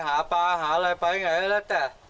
หาปลาหาอะไรไปไหนแล้วแต่